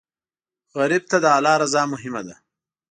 غریب ته د الله رضا مهمه ده